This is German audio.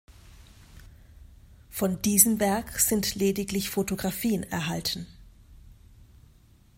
Von diesem Werk sind lediglich Photographien erhalten.